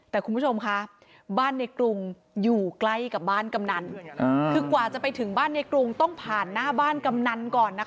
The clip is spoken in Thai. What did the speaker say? แต่คุณผู้ชมค่ะบ้านในกรุงอยู่ใกล้กับบ้านกำนัน